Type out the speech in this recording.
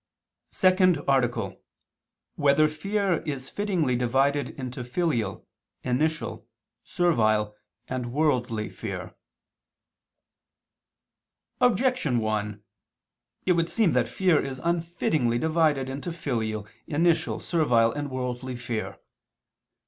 _______________________ SECOND ARTICLE [II II, Q. 19, Art. 2] Whether Fear Is Fittingly Divided into Filial, Initial, Servile and Worldly Fear? Objection 1: It would seem that fear is unfittingly divided into filial, initial, servile and worldly fear.